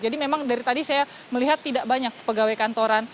jadi memang dari tadi saya melihat tidak banyak pegawai kantoran